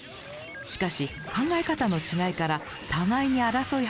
しかし考え方の違いから互いに争い始めます。